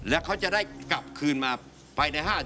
และเขาจะได้กลับคืนมาไปใน๕เดือน